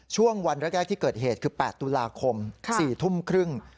ช่วงวันแรกที่เกิดเหตุคือ๘ตุลาคม๔ทุ่มครึ่ง